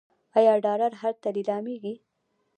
آیا ډالر هلته لیلامیږي؟